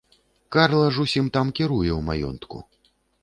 Карла ж усім там кіруе ў маёнтку.